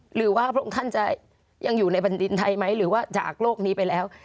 หรือว่าพระองค์ท่านจะยังอยู่ในแผ่นดินไทยไหมหรือว่าจากโลกนี้ไปแล้ว